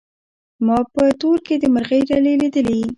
ما په تور کي د مرغۍ ډلي لیدلې